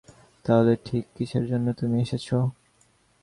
তাহলে ঠিক কীসের জন্য তুমি এসেছো?